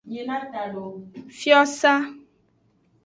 Fiosa.